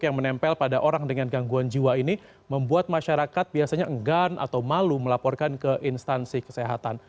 yang menempel pada orang dengan gangguan jiwa ini membuat masyarakat biasanya enggan atau malu melaporkan ke instansi kesehatan